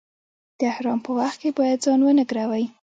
د احرام په وخت کې باید ځان و نه ګروئ.